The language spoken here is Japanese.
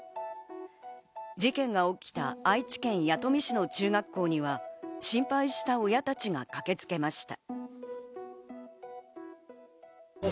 事件が起きた愛知県弥富市の中学校には心配した親たちが駆けつけました。